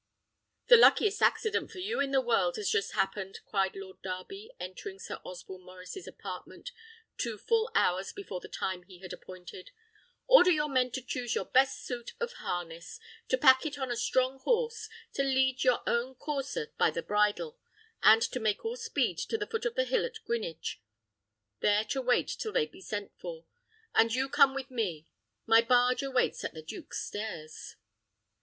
"The luckiest accident for you in the world has just happened!" cried Lord Darby, entering Sir Osborne Maurice's apartment two full hours before the time he had appointed. "Order your men to choose your best suit of harness, to pack it on a strong horse, to lead your own courser by the bridle, and to make all speed to the foot of the hill at Greenwich, there to wait till they be sent for; and you come with me: my barge waits at the duke's stairs."